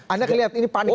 anda lihat ini panik semua